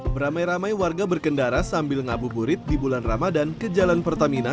beramai ramai warga berkendara sambil ngabuburit di bulan ramadan ke jalan pertamina